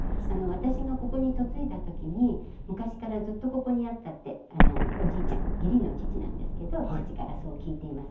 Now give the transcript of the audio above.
私がここに嫁いだ時に昔からずっとここにあったってあのおじいちゃん義理の父なんですけど義父からそう聞いています。